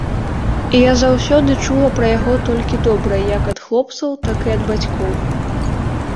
Я заўсёды чула пра яго толькі добрае як ад хлопцаў, так і ад бацькоў.